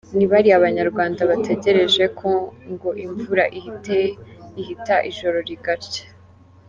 Ni Bariya banyarwanda bategereje ko ngo “imvura ihita, ijoro rigacya”.